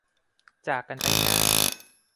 จากกันไปง่าย